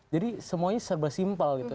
jadi semuanya serba simpel gitu